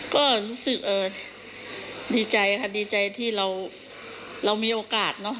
ก็รู้สึกดีใจค่ะดีใจที่เรามีโอกาสเนอะ